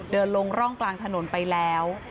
เดินลงร่องกลางถนนไปแล้ว